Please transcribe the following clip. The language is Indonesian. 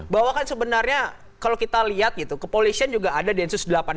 bahwa kan sebenarnya kalau kita lihat gitu kepolisian juga ada densus delapan puluh delapan